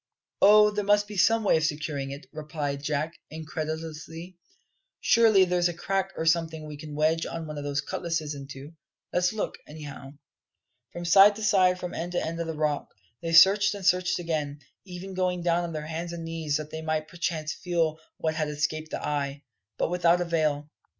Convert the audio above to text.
"Oh, there must be some way of securing it," replied Jack incredulously, "Surely there's a crack or something we can wedge one of the cutlasses into. Let's look, anyhow!" Look they did, but not with the result Jack had so confidently anticipated. From side to side, from end to end of the Rock, they searched and searched again, even going down on their hands and knees that they might perchance feel what had escaped the eye, But without avail.